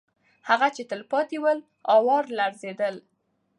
هغه چې پاتې ول، آوار لړزېدل.